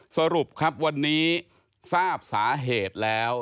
สรุปครับวันนี้ทราบสาเหตุแล้ว